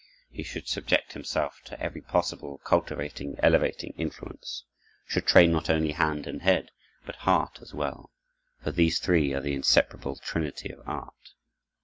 He should subject himself to every possible cultivating, elevating influence, should train, not only hand and head, but heart as well; for these three are the inseparable trinity of art.